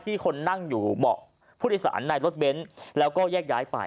คนนั่งอยู่เบาะผู้โดยสารในรถเบนท์แล้วก็แยกย้ายไป